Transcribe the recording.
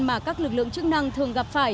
mà các lực lượng chức năng thường gặp phải